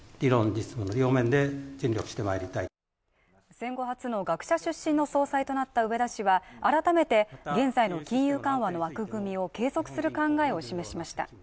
戦後初の学者出身の総裁となった植田氏は改めて現在の金融緩和の枠組みを継続する考えを示しました。